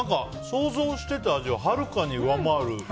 想像してた味をはるかに上回る。